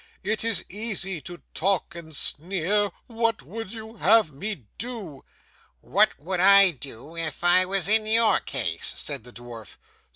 'It is easy to talk and sneer. What would you have me do?' 'What would I do if I was in your case?' said the dwarf.